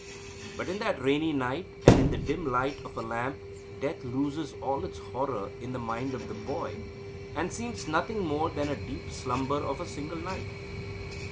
But in that rainy night and in the dim light of a lamp death loses all its horror in the mind of the boy, and seems nothing more than a deep slumber of a single night.